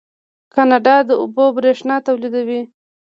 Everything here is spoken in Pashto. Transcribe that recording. کاناډا د اوبو بریښنا تولیدوي.